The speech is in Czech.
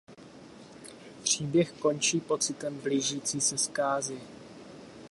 Příběh končí pocitem blížící se zkázy.